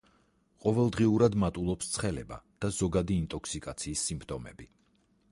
ყოველდღიურად მატულობს ცხელება და ზოგადი ინტოქსიკაციის სიმპტომები.